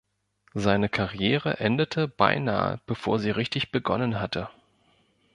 Seine Karriere endete beinahe bevor sie richtig begonnen hatte.